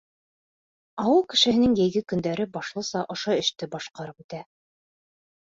Ауыл кешеһенең йәйге көндәре башлыса ошо эште башҡарып үтә.